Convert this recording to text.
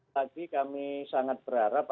tadi kami sangat berharap